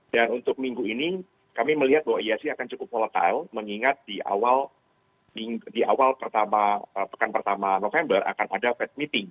dan untuk minggu ini kami melihat bahwa ihsg akan cukup volatile mengingat di awal pekan pertama november akan ada pet meeting